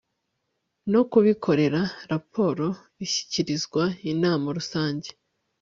no kubikorera raporo ishyikirizwa inama rusange